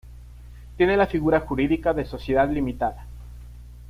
Tiene la figura jurídica de Sociedad Limitada.